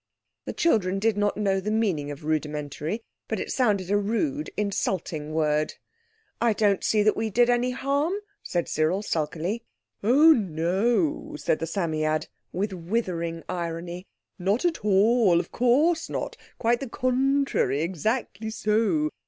The children did not know the meaning of rudimentary, but it sounded a rude, insulting word. "I don't see that we did any harm," said Cyril sulkily. "Oh, no," said the Psammead with withering irony, "not at all! Of course not! Quite the contrary! Exactly so!